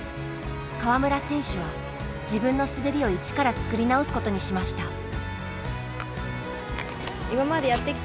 川村選手は自分の滑りを一から作り直すことにしました。